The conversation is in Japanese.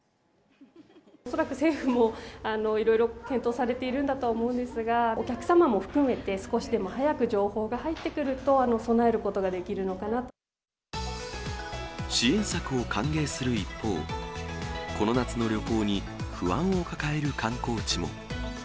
恐らく政府もいろいろ検討されているんだとは思うんですが、お客様も含めて、少しでも早く情報が入ってくると、支援策を歓迎する一方、この夏の旅行に不安を抱える観光地も。